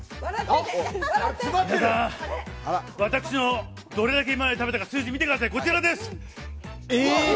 皆さん、私、どれだけ食べたか数字見てください、こちらです。